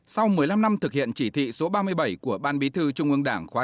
sau một mươi năm năm thực hiện chỉ thị số ba mươi bảy của ban bí thư trung ương đảng khóa chín